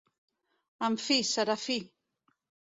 En fi, Serafí!